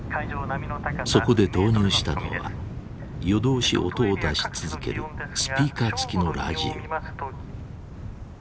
そこで導入したのは夜通し音を出し続けるスピーカーつきのラジオ。